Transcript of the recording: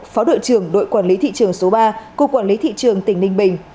phó đội trưởng đội quản lý thị trường số ba cục quản lý thị trường tỉnh ninh bình